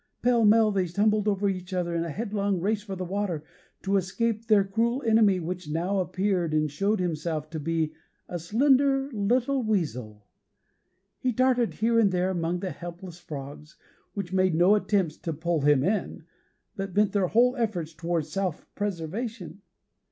Pell mell they tumbled over each other in headlong race for the water, to escape their cruel enemy, which now appeared, and showed himself to be a slender little weasel. He darted here and there among the helpless frogs, which made no attempts to 'pull him in,' but bent their whole efforts toward self preservation.